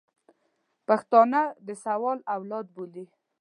پښتانه د ساول اولاد بولي.